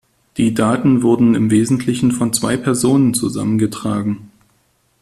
Die Daten wurden im Wesentlichen von zwei Personen zusammengetragen.